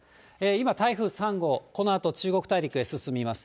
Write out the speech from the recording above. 今、台風３号、このあと中国大陸へ進みます。